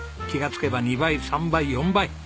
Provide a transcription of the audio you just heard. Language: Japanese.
気がつけば２倍３倍４倍！